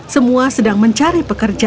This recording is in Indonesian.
semua sedang mencari